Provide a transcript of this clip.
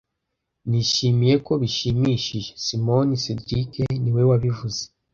Nishimiye ko bishimishije Simoni cedric niwe wabivuze